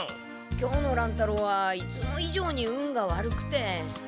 今日の乱太郎はいつも以上に運が悪くて。